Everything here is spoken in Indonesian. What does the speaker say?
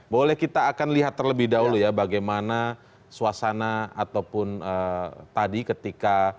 boleh kita akan lihat terlebih dahulu ya bagaimana suasana ataupun tadi ketika